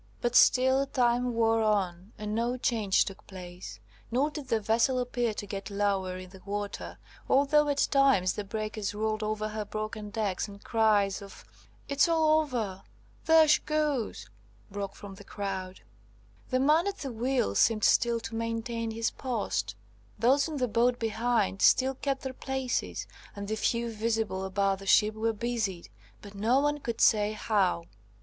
But still time wore on, and no change took place, nor did the vessel appear to get lower in the water, although at times the breakers rolled over her broken decks, and cries of "It's all over! There she goes!" broke from the crowd. The man at the wheel seemed still to maintain his post; those in the boat behind still kept their places, and the few visible about the ship were busied, but no one could say how.